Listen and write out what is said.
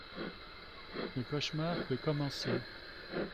Le cauchemar peut commencer...